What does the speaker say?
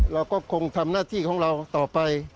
เราก็คงทำหน้าที่ของเราต่อไป